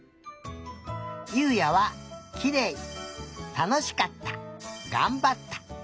ゆうやは「きれい」「たのしかった」「がんばった」